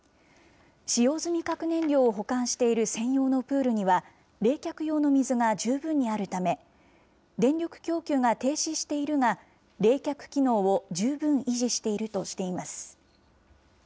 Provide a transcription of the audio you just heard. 使用済み核燃料を保管している専用のプールには、冷却用の水が十分にあるため、電力供給が停止しているが、冷却機能を十分維持しているとしています。